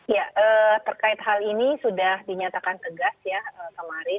ya terkait hal ini sudah dinyatakan tegas ya kemarin